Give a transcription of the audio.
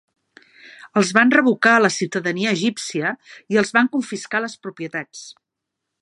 Els van revocar la ciutadania egípcia i els van confiscar les propietats.